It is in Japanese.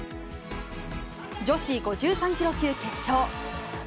女子５３キロ級決勝。